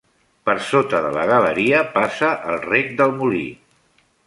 Per sota de la galeria passa el rec del molí.